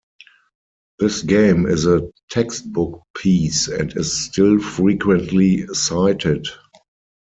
This game is a textbook piece and is still frequently cited.